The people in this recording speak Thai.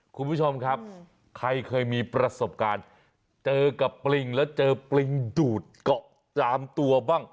คุณผู้ชมครับใครเคยมีประสบการณ์เจอกับปริงแล้วเจอปริงดูดเกาะจามตัวบ้าง